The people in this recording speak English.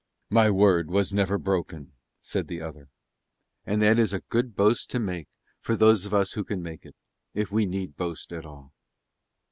"My word was never broken," said the other. And that is a good boast to make, for those of us who can make it; if we need boast at all.